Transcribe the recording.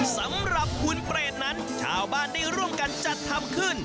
สำหรับคุณเปรตนั้นชาวบ้านได้ร่วมกันจัดทำขึ้น